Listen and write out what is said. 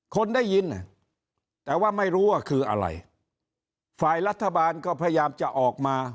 คนได้ยินแต่ว่าไม่รู้ว่าคืออะไรฝ่ายรัฐบาลก็พยายามจะออกมา